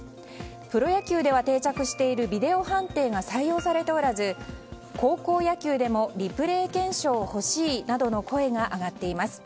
プロ野球では定着しているビデオ判定が採用されておらず高校野球でもリプレー検証がほしいなどの声が上がっています。